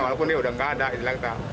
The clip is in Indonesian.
walaupun dia sudah tidak ada